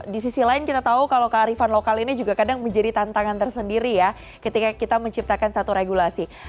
di sisi lain kita tahu kalau kearifan lokal ini juga kadang menjadi tantangan tersendiri ya ketika kita menciptakan satu regulasi